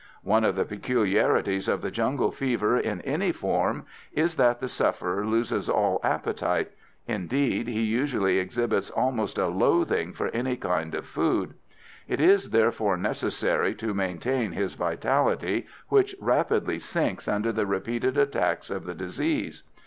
One of the peculiarities of the jungle fever, in any form, is that the sufferer loses all appetite; indeed, he usually exhibits almost a loathing for any kind of food. It is therefore necessary to maintain his vitality, which rapidly sinks under the repeated attacks of the disease.